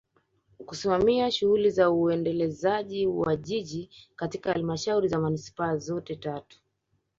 Kusimamia shughuli za uendelezaji wa Jiji katika Halmashauri za Manispaa zote tatu